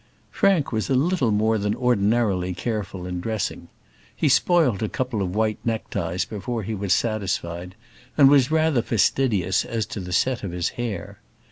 Frank was a little more than ordinarily careful in dressing. He spoilt a couple of white neckties before he was satisfied, and was rather fastidious as the set of his hair.